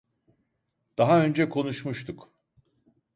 Daha önce konuşmuştuk